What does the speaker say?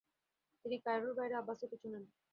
তিনি কায়রোর বাইরে আব্বাসের পিছু নেন।